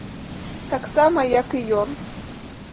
Таксама, як і ён.